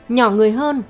nhỏ người hơn